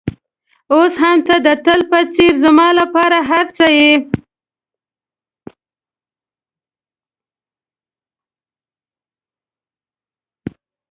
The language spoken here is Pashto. اوس هم ته د تل په څېر زما لپاره هر څه یې.